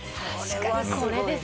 確かにこれですよ。